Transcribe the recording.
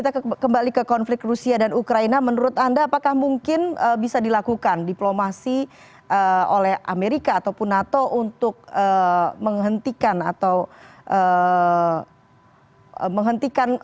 jadi kalau kita ke konflik rusia dan ukraina menurut anda apakah mungkin bisa dilakukan diplomasi oleh amerika atau pun nato untuk menghentikan krisis yang terjadi saat ini